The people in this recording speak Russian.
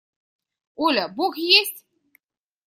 – Оля, бог есть?